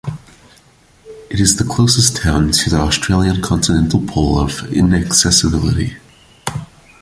It is the closest town to the Australian continental pole of inaccessibility.